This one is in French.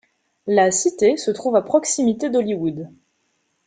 La cité se trouve à proximité d'Hollywood.